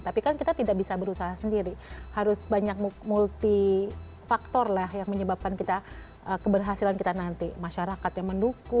tapi kan kita tidak bisa berusaha sendiri harus banyak multi faktor lah yang menyebabkan kita keberhasilan kita nanti masyarakat yang mendukung